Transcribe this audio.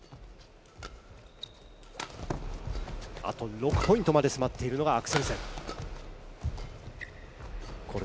６ポイントまで迫っているのがアクセルセン。